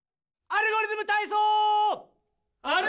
「アルゴリズムたいそう」！